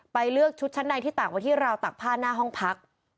เลือกชุดชั้นในที่ตากไว้ที่ราวตากผ้าหน้าห้องพัก